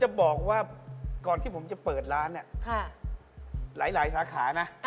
เฮ้ยอย่าใส่โม้ซัวเดี๋ยวลดมาขับผ่าน